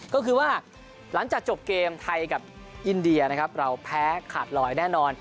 ก็คือว่าหลังจากจบเกมไทยกับอินเดียนะครับเราแพ้ขาดลอยแน่นอน